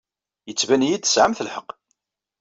Yettban-iyi-d tesɛamt lḥeqq.